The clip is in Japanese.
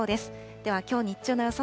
ではきょう日中の予想